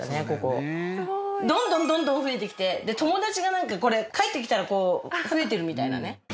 どんどんどんどん増えてきて友達が帰ってきたら増えてるみたいなね。